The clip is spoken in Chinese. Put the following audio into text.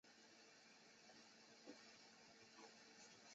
征才条件相当优渥